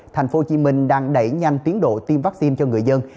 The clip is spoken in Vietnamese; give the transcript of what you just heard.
thành phố hồ chí minh đang đẩy nhanh tiến độ tiêm vaccine cho người dân